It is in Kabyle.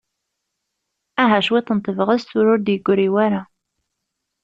Aha cwiṭ n tebɣest tura ur d-yegri wara.